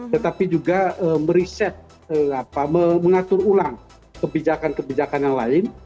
tetapi juga meriset mengatur ulang kebijakan kebijakan yang lain